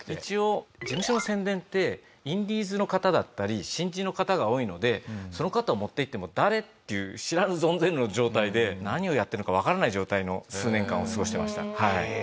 一応事務所の宣伝ってインディーズの方だったり新人の方が多いのでその方を持っていっても誰？っていう知らぬ存ぜぬの状態で何をやってるのかわからない状態の数年間を過ごしてました。